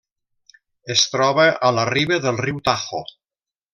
Es troba a la riba del riu Tajo.